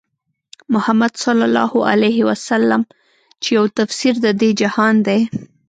محمدص چې يو تفسير د دې جهان دی